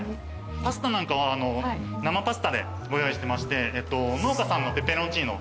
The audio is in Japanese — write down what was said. パスタなんかは生パスタでご用意してまして農家さんのペペロンチーノ。